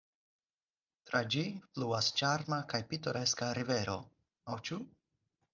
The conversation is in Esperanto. Tra ĝi fluas ĉarma kaj pitoreska rivero – aŭ ĉu?